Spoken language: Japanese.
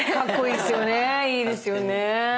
いいですよね。